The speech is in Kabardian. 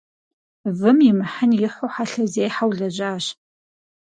Вым имыхьын ихьу хьэлъэзехьэу лэжьащ.